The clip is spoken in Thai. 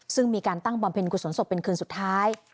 ซึ่งมีการตั้งบำเพ็ญกุศลศพเป็นคืนสุดท้าย